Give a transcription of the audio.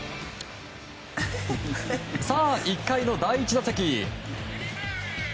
さあ、１回の第１打席。